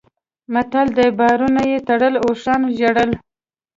متل دی: بارونه یې تړل اوښانو ژړل.